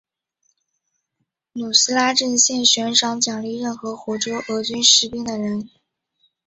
努斯拉阵线悬赏奖励任何活捉俄军士兵的人。